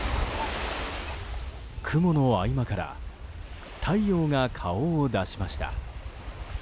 雲の合間から太陽が顔を出しました。